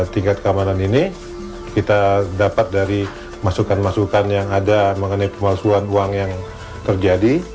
tingkat keamanan ini kita dapat dari masukan masukan yang ada mengenai pemalsuan uang yang terjadi